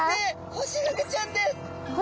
ホシフグちゃん！